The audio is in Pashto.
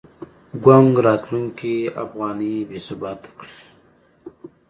ګونګ راتلونکی افغانۍ بې ثباته کړې.